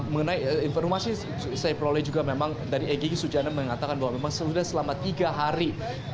mengenai informasi saya peroleh juga memang dari egy sujana mengatakan bahwa memang sudah selama tiga hari